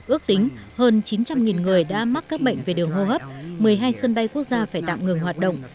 ước tính hơn chín trăm linh người đã mắc các bệnh về đường hô hấp một mươi hai sân bay quốc gia phải tạm ngừng hoạt động